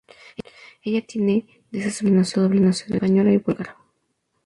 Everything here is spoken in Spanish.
Ella tiene desde ese momento doble nacionalidad: española y búlgara.